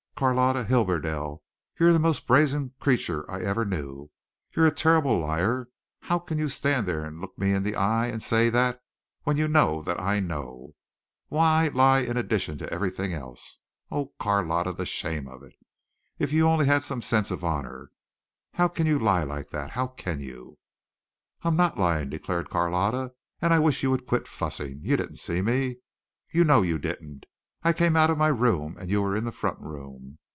"Carlotta Hibberdell, you're the most brazen creature I ever knew! You're a terrible liar. How can you stand there and look me in the eye and say that, when you know that I know? Why lie in addition to everything else? Oh! Carlotta, the shame of it. If you only had some sense of honor! How can you lie like that? How can you?" "I'm not lying," declared Carlotta, "and I wish you would quit fussing. You didn't see me. You know you didn't. I came out of my room and you were in the front room.